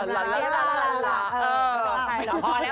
ละละละละละละละ